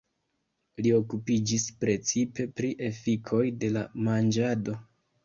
Li okupiĝis precipe pri efikoj de la manĝado.